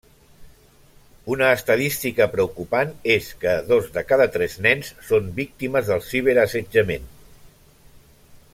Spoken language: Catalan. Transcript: Una estadística preocupant és que dos de cada tres nens són víctimes del ciberassetjament.